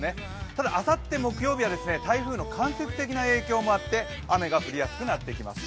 ただ、あさって木曜日は台風の間接的な影響もあって、雨が降りやすくなっていきます。